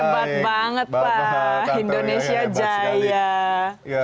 hebat banget pak indonesia jaya